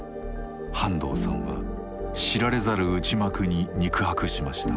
半藤さんは知られざる内幕に肉薄しました。